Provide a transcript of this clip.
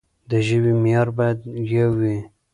د ژبې معيار بايد يو وي.